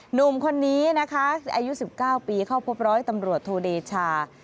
หนุ่มคนนี้นะคะอายุ๑๙ปีเข้าพบร้อยตำรวจโทเดชา